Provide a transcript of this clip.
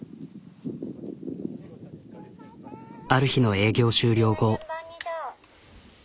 ある日の営業終了後。